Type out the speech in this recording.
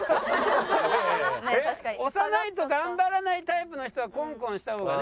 押さないと頑張らないタイプの人はコンコンした方がね。